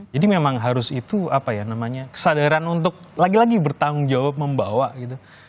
jadi memang harus itu apa ya namanya kesadaran untuk lagi lagi bertanggung jawab membawa gitu